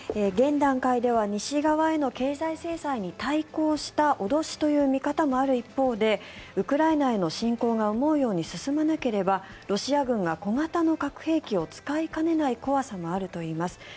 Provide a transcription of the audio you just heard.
現段階では西側への経済制裁に対抗した脅しという見方もある一方でウクライナへの侵攻が思うように進まなければロシア軍が小型の核兵器を使いかねない怖さもあるといいます。